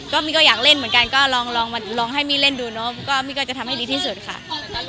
ว่ามี่ก็อยากเล่นลองให้มี่เล่นดูก็มี่ก็จะทำให้ดีที่สุดค่ะ